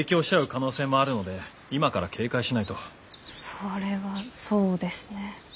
それはそうですね。